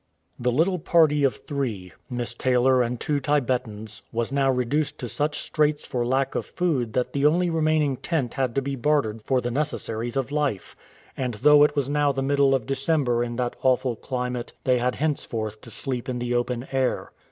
The little party of three — Miss Taylor and two Tibetans — was now reduced to such straits for lack of food that the only remaining tent had to be bartered for the necessaries of life ; and though it was now the middle 84 THE ARREST of December in that awful climate, they had henceforth to sleep in the open air.